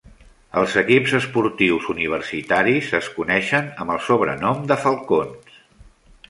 Els equips esportius universitaris es coneixen amb el sobrenom de Falcons.